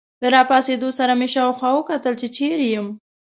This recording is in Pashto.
له راپاڅېدو سره مې شاوخوا وکتل، چې چیرې یم.